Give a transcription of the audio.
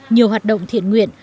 nhiều hoạt động thiện nguyện